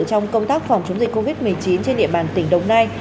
trong công tác phòng chống dịch covid một mươi chín trên địa bàn tỉnh đồng nai